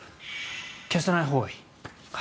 消さないほうがいい。